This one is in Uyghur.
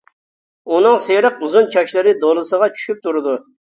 ئۇنىڭ سېرىق ئۇزۇن چاچلىرى دولىسىغا چۈشۈپ تۇرىدۇ.